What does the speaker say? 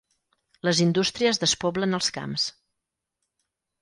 Les indústries despoblen els camps.